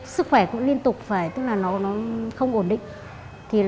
sức khỏe cũng liên tục không ổn định